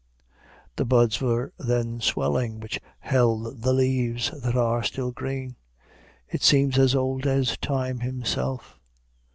The buds were then swelling which held the leaves that are still green. It seems as old as Time himself.